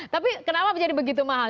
tapi kenapa menjadi begitu mahal